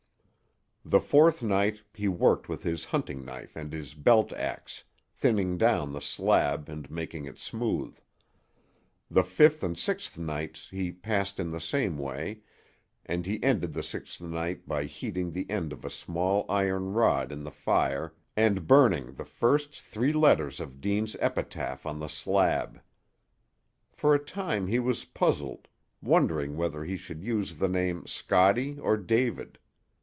The fourth night he worked with his hunting knife and his belt ax, thinning down the slab and making it smooth. The fifth and the sixth nights he passed in the same way, and he ended the sixth night by heating the end of a small iron rod in the fire and burning the first three letters of Deane's epitaph on the slab. For a time he was puzzled, wondering whether he should use the name Scottie or David.